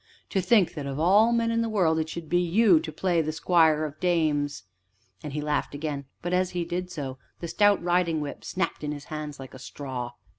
To think that of all men in the world it should be you to play the squire of dames!" And he laughed again, but, as he did so, the stout riding whip snapped in his hands like a straw.